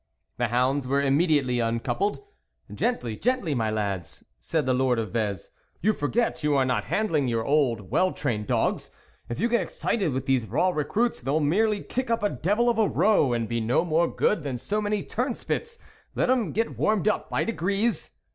The hounds were immediately uncoupled. " Gently, gently, my lads !" said the Lord of Vez, " you forget you are not handling your old well trained dogs ; if you get excited with these raw recruits, they'll merely kick up a devil of a row, and be no more good than so many turnspits ; let 'em get warmed up by degrees."